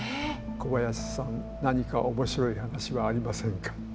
「小林さん何か面白い話はありませんか」。